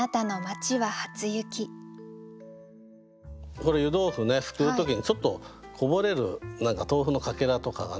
これ湯豆腐ね掬う時にちょっとこぼれる何か豆腐のかけらとかがね。